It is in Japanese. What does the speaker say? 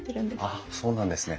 あっそうなんですね。